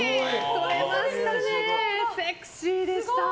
撮れましたね、セクシーでした。